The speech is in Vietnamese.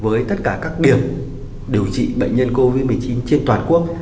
với tất cả các điểm điều trị bệnh nhân covid một mươi chín trên toàn quốc